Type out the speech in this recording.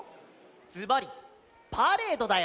ずばりパレードだよ！